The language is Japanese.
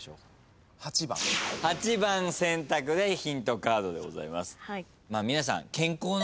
８番選択でヒントカードです。